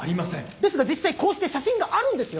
ですが実際こうして写真があるんですよ